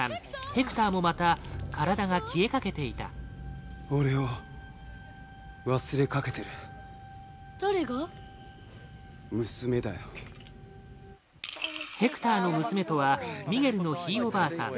ヘクターもまた体が消えかけていたヘクターの娘とはミゲルのひいおばあさん